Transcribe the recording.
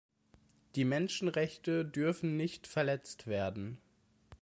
Die Menschenrechte dürfen nicht verletzt werden.